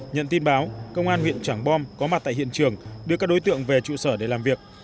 nhận tin báo công an huyện trảng bom có mặt tại hiện trường đưa các đối tượng về trụ sở để làm việc